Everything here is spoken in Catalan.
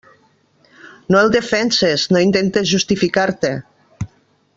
No el defenses, no intentes justificar-te.